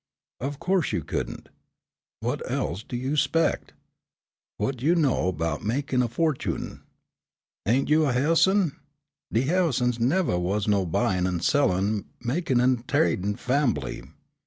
"Of course you couldn't. Whut else do you 'spect? Whut you know 'bout mekin' a fortune? Ain't you a Ha'ison? De Ha'isons nevah was no buyin' an' sellin', mekin' an' tradin' fambly.